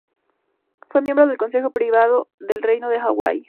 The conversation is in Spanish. Fue miembro del Consejo Privado del Reino de Hawái.